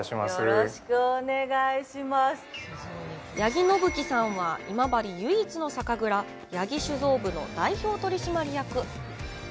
八木伸樹さんは、今治唯一の酒蔵八木酒造部の代表取締役。